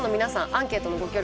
アンケートのご協力